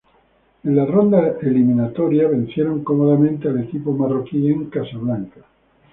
En la ronda eliminatoria vencieron cómodamente al equipo Marroquí, en Casablanca.